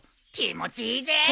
気持ちいいぜ！